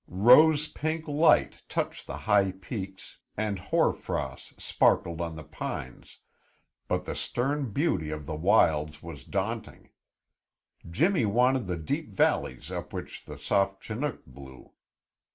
Rose pink light touched the high peaks and hoar frost sparkled on the pines, but the stern beauty of the wilds was daunting. Jimmy wanted the deep valleys up which the soft Chinook blew.